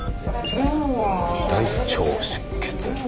大腸出血。